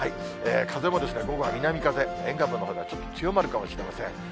風も午後は南風、沿岸部のほうではちょっと強まるかもしれません。